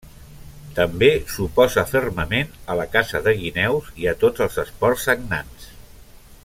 També s'oposa fermament a la caça de guineus i a tots els esports sagnants.